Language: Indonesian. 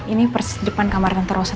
ini persis depan kamar tante rosa